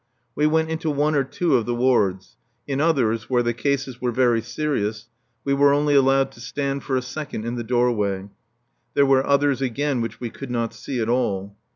We went into one or two of the wards; in others, where the cases were very serious, we were only allowed to stand for a second in the doorway; there were others again which we could not see at all.